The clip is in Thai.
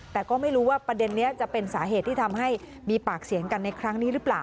แต่ก็ไม่รู้ว่าประเด็นนี้จะเป็นสาเหตุที่ทำให้มีปากเสียงกันในครั้งนี้หรือเปล่า